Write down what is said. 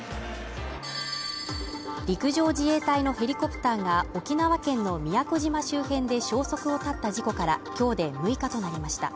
陸上自衛隊のヘリコプターが沖縄県の宮古島周辺で消息を絶った事故から今日で６日となりました。